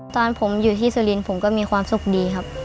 ตอนผมอยู่ที่สุรินทร์ผมก็มีความสุขดีครับ